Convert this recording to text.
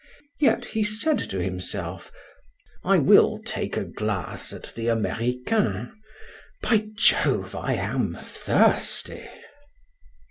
Yet he said to himself: "I will take a glass at the Americain. By Jove, I am thirsty."